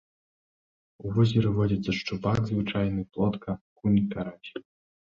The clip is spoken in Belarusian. У возеры водзяцца шчупак звычайны, плотка, акунь, карась.